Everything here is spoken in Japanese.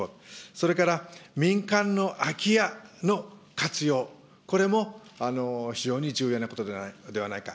それから民間の空き家の活用、これも非常に重要なことではないか。